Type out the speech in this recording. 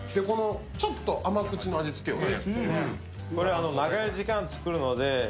ちょっと甘口の味付けよね。